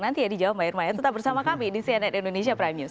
oke saya akan nanti jawab mbak irma yang tetap bersama kami di cnn indonesia prime news